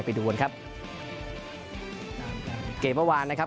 ไปดูกันครับเกมเมื่อวานนะครับ